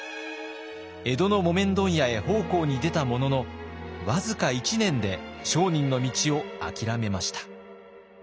江戸の木綿問屋へ奉公に出たものの僅か１年で商人の道を諦めました。